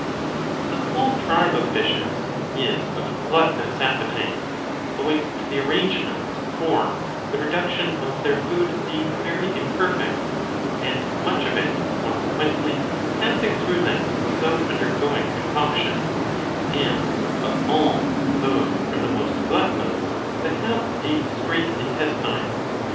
^^ The whole tribe of fishes is of gluttonous appetite, owing to the arrangements for the reduction of their food being very imperfect, and much of it, consequently passing through them without under going concoction; and, of all, those are the most gluttonous "that have a straight intestine.